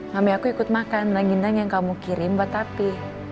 mami aku ikut makan langit nangis yang kamu kirim buat api